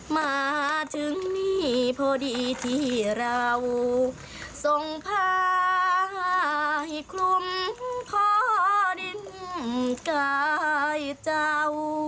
มาถึงนี่พอดีที่เราส่งพาให้คลุมพ่อดินกายเจ้า